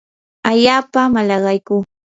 allaapami malaqaykuu.